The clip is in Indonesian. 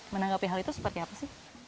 menanggapi hal itu seperti apa sih